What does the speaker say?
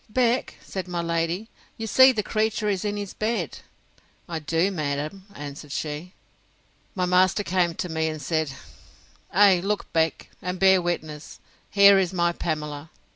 Beck, said my lady, you see the creature is in his bed. I do, madam, answered she. My master came to me, and said, Ay, look, Beck, and bear witness: Here is my Pamela!